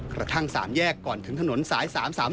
กระทั่ง๓แยกก่อนถึงถนนสาย๓๓